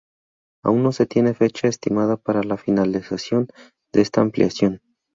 Aún no se tiene fecha estimada para la finalización de esta ampliación.